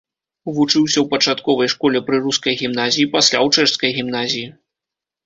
Вучыўся ў пачатковай школе пры рускай гімназіі, пасля ў чэшскай гімназіі.